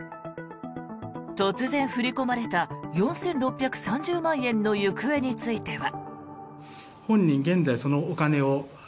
突然振り込まれた４６３０万円の行方については。